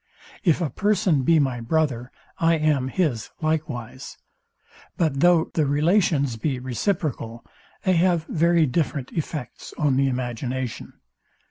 If a person be my brother I am his likewise: but though the relations be reciprocal they have very different effects on the imagination.